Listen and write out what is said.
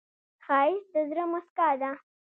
ښایست د زړه موسکا ده